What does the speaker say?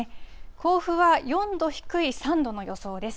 甲府は４度低い３度の予想です。